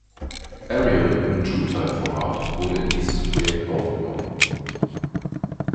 Arial im TrueType-Format wurde in dieses Projekt aufgenommen.